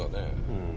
うん。